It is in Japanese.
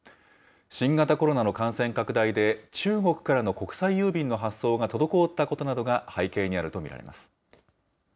新型コロナの感染拡大で、中国からの国際郵便の発送が滞ったことなどが背景にあると見られます。